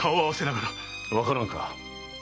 わからぬか。